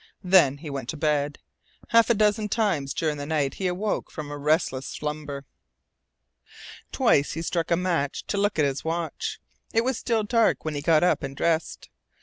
Then he went to bed. Half a dozen times during the night he awoke from a restless slumber. Twice he struck a match to look at his watch. It was still dark when he got up and dressed.